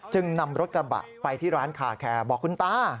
นำรถกระบะไปที่ร้านคาแคร์บอกคุณตา